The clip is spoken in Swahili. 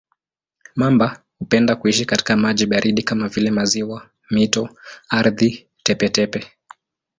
Mamba hupenda kuishi katika maji baridi kama vile maziwa, mito, ardhi tepe-tepe.